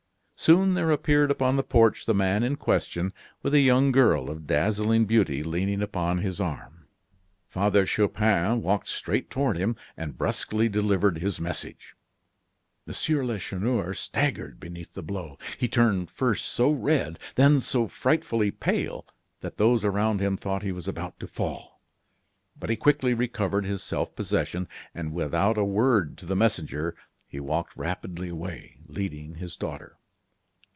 Soon there appeared upon the porch the man in question, with a young girl of dazzling beauty leaning upon his arm. Father Chupin walked straight toward him, and brusquely delivered his message. M. Lacheneur staggered beneath the blow. He turned first so red, then so frightfully pale, that those around him thought he was about to fall. But he quickly recovered his self possession, and without a word to the messenger, he walked rapidly away, leading his daughter.